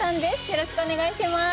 よろしくお願いします。